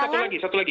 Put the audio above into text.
satu lagi satu lagi